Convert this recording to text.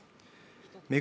目黒